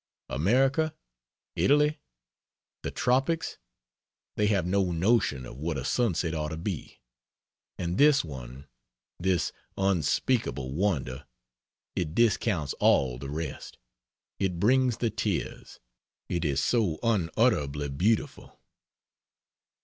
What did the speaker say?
America? Italy? The tropics? They have no notion of what a sunset ought to be. And this one this unspeakable wonder! It discounts all the rest. It brings the tears, it is so unutterably beautiful.